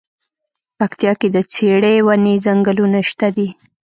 پکتيا کی د څیړۍ ونی ځنګلونه شته دی.